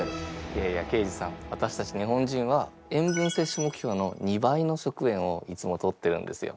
いやいや刑事さんわたしたち日本人は塩分摂取目標の２倍の食塩をいつもとってるんですよ。